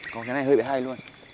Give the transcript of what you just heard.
có cái này hơi bị hay luôn